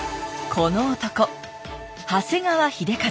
この男長谷川秀一。